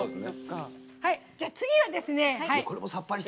次はですね。